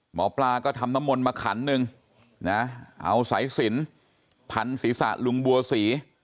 หมอปลาก็ทำน้ำมนต์มาขันหนึ่งนะเอาสายสินพันศีรษะลุงบัวศรี